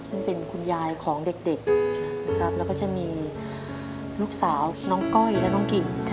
ซึ่งเป็นคุณยายของเด็กนะครับแล้วก็จะมีลูกสาวน้องก้อยและน้องกิ่ง